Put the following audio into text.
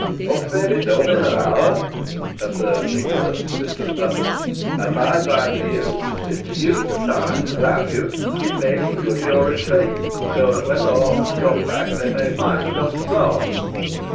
"Much may be done in an hour," observed Nicholas to Mistress Nutter, "and my advice to you is to use the time allowed you in making good your retreat, so that, when the hawks come back, they may find the doves flown."